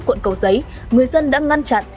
quận cầu giấy người dân đã ngăn chặn